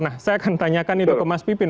nah saya akan tanyakan itu ke mas pipin